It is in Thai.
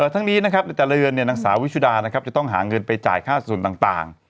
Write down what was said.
ทั้งนี้นะครับในแต่ละเรือนนางสาววิชุดานะครับจะต้องหาเงินไปจ่ายค่าส่วนต่าง